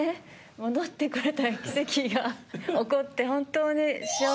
戻って来れた奇跡が起こって本当に。